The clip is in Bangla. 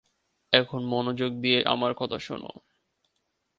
এখন মনোযোগ দিয়ে আমার কথা শুনো।